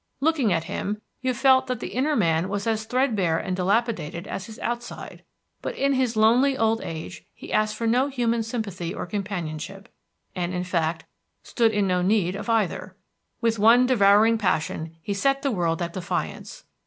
Looking at him, you felt that the inner man was as threadbare and dilapidated as his outside; but in his lonely old age he asked for no human sympathy or companionship, and, in fact, stood in no need of either. With one devouring passion he set the world at defiance.